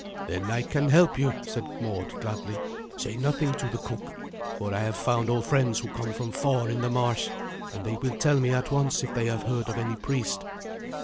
"Then I can help you," said Mord gladly. "Say nothing to the cook, for I have found old friends who come from far in the marsh, and they will tell me at once if they have heard of any priest.